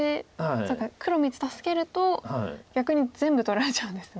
黒３つ助けると逆に全部取られちゃうんですね。